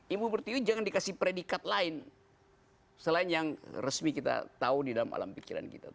ibu pertiwi jangan dikasih predikat lain selain yang resmi kita tahu di dalam alam pikiran kita